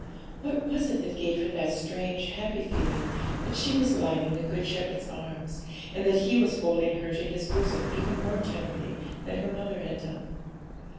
What was it that gave her that strange, happy feeling that she was lying in the Good Shepherd's arms, and that He was folding her to His bosom even more tenderly than her mother had done?